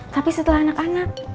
tapi setelah anak anak